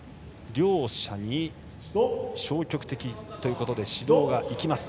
両者に消極的ということで指導が行きます。